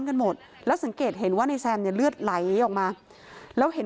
กันหมดแล้วสังเกตเห็นว่านายแซมเนี่ยเลือดไหลออกมาแล้วเห็น